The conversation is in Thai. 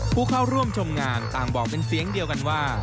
ผู้เข้าร่วมชมงานต่างบอกเป็นเสียงเดียวกันว่า